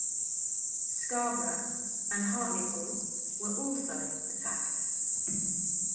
Scarborough and Hartlepool were also attacked.